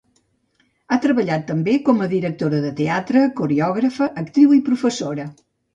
Ha treballat també com a directora de teatre, coreògrafa, actriu i professora.